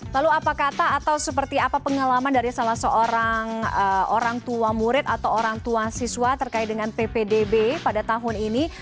lalu apa kata atau seperti apa pengalaman dari salah seorang orang tua murid atau orang tua siswa terkait dengan ppdb pada tahun ini